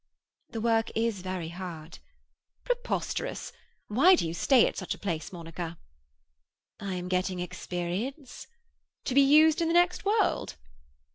"The work is very hard." "Preposterous. Why do you stay at such a place, Monica?" "I am getting experience." "To be used in the next world?"